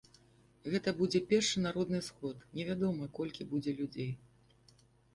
Гэта будзе першы народны сход, невядома, колькі будзе людзей.